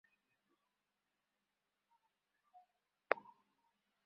একাধিক প্রার্থীর কাছ থেকে ভোটার স্লিপ পাওয়াটা একরকম রীতি হয়ে দাঁড়িয়েছে।